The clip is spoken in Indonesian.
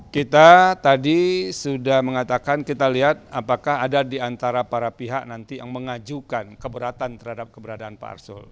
kita tadi sudah mengatakan kita lihat apakah ada di antara para pihak nanti yang mengajukan keberatan terhadap keberadaan pak arsul